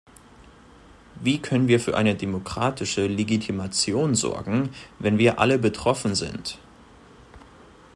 Wie können wir für eine demokratische Legitimation sorgen, wenn wir alle betroffen sind?